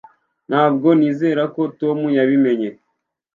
Ntabwo nizera ko Tom yabimenye